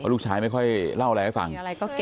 ลูกชายไม่ค่อยเล่าอะไรให้ฟัง